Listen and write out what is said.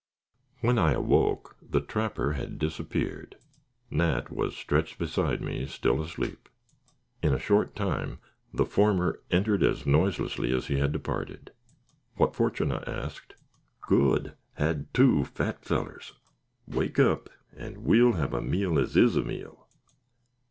When I awoke the trapper had disappeared. Nat was stretched beside me still asleep. In a short time the former entered as noiselessly as he had departed. "What fortune?" I asked. "Good; had two fat fellers. Wake up, and we'll have a meal as is a meal."